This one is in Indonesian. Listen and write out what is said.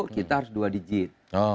kita harus dua digit